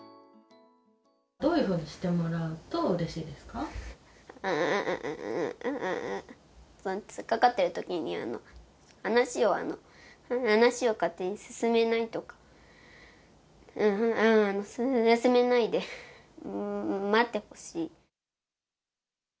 どういうふうにしてもらうと突っかかってるときに、話を勝手に進めないとか、進めないで待ってほしい。